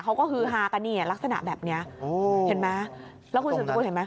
เขาก็ฮือฮากันเนี่ยลักษณะแบบนี้เห็นไหมแล้วคุณสุดสกุลเห็นไหม